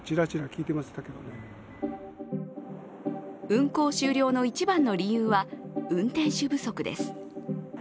運行終了の一番の理由は運転手不足です。